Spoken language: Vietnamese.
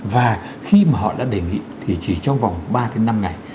và khi mà họ đã đề nghị thì chỉ trong vòng ba năm ngày